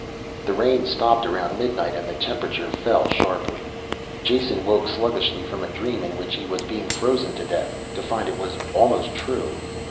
The rain stopped around midnight and the temperature fell sharply. Jason woke sluggishly from a dream in which he was being frozen to death, to find it was almost true.